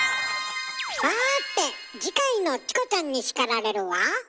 さて次回の「チコちゃんに叱られる」は？